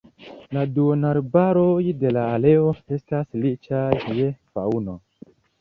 La duonarbaroj de la areo estas riĉaj je faŭno.